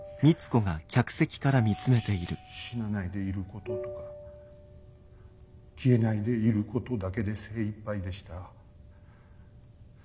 ししし死なないでいることとか消えないでいることだけで精いっぱいでした。